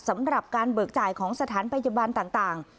สำหรับการเบิกจ่ายของสถานพยาบาลต่าง